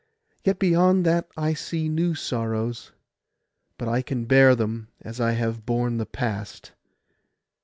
Yet beyond that I see new sorrows; but I can bear them as I have borne the past.